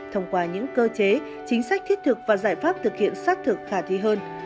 thông qua những cơ chế chính sách thiết thực và giải pháp thực hiện xác thực khả thi hơn